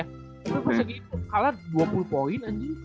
tapi pas lagi kalah dua puluh poin anjing